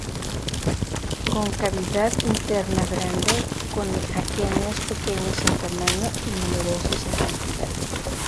Con cavidad interna grande, con aquenios pequeños en tamaño y numerosos en cantidad.